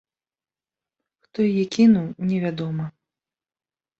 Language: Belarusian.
Хто яе кінуў, невядома.